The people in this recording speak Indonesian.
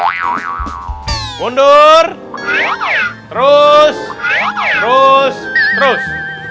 hai mundur terus terus terus